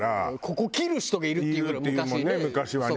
ここ切る人がいるっていうぐらい昔ね。